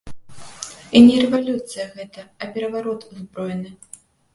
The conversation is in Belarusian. І не рэвалюцыя гэта, а пераварот узброены.